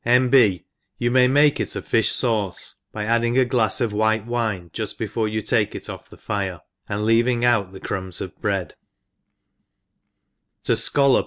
^Isf. B. You may tnake it a fifh fauce by adding a glafs of white wine juft before you take it off the fire, ^lid leaving out the crui^bs of breads To fcollop.